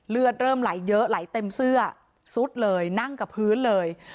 เลือดเริ่มไหลเยอะไหลเต็มเสื้อซุดเลยนั่งกับพื้นเลย